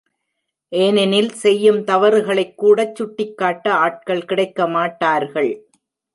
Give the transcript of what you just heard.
ஏனெனில்செய்யும் தவறுகளைக் கூட சுட்டிக் காட்ட ஆட்கள் கிடைக்க மாட்டார்கள்.